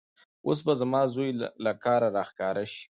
اوس به زما زوی له کاره راښکاره شي.